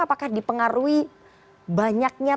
apakah dipengaruhi banyaknya